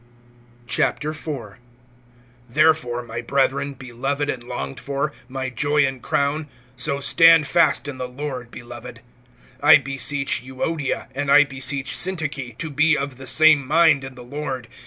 (1)Therefore, my brethren beloved and longed for, my joy and crown, so stand fast in the Lord, beloved. (2)I beseech Euodia, and I beseech Syntyche, to be of the same mind in the Lord.